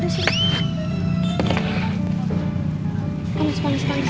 aduh susah sendokin sendiri yaudah sih